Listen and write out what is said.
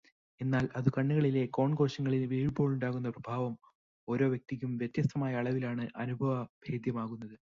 എന്നാൽ, അതു കണ്ണുകളിലെ കോൺ കോശങ്ങളിൽ വീഴുമ്പോളുണ്ടാകുന്ന പ്രഭാവം ഓരോ വ്യക്തിക്കും വ്യത്യസ്തമായ അളവിലാണ് അനുഭവഭേദ്യമാകുന്നത്.